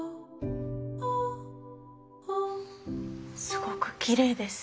すごくきれいです。